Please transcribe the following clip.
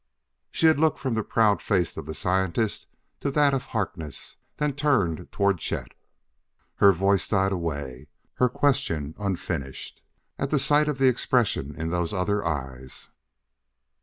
She had looked from the proud face of the scientist to that of Harkness; then turned toward Chet. Her voice died away, her question unfinished, at sight of the expression in those other eyes.